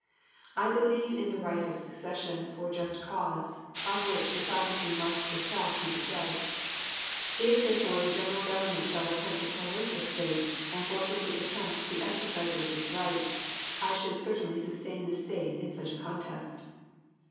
I believe in the right of secession for just cause, of which the sovereignty must itself be the judge. If therefore the general Government shall attempt to coerce a State, and forcibly attempt the exercise of this right, I should certainly sustain the State in such a contest.